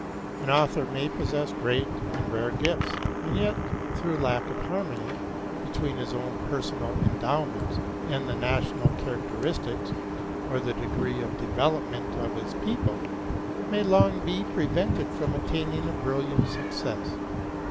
An author may possess great and rare gifts, and yet, through lack of harmony between his own personal endowments and the national characteristics or the degree of development of his people, may long be prevented from attaining a brilliant success.